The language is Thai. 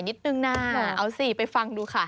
นิดนึงนะเอาสิไปฟังดูค่ะ